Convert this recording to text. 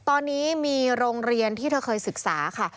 ตอนนี้มีโรงเรียนที่เธอเคยศึกษาค่ะ